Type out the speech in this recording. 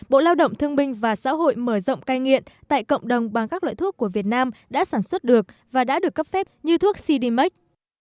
bộ lao động thương binh và xã hội mở rộng cai nghiện tại cộng đồng bằng các loại thuốc của việt nam đã sản xuất được và đã được cấp phép như thuốc cdmax